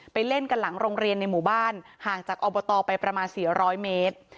ไปเล่นกันหลังโรงเรียนในหมู่บ้านห่างจากอบตไปประมาณสี่หรอบร้อยเมตร